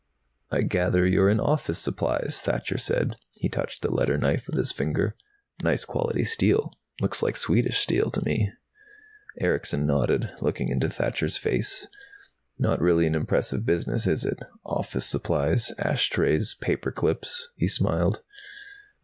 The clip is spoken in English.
"I gather you're in office supplies," Thacher said. He touched the letter knife with his finger. "Nice quality steel. Looks like Swedish steel, to me." Erickson nodded, looking into Thacher's face. "Not really an impressive business, is it? Office supplies. Ashtrays, paper clips." He smiled.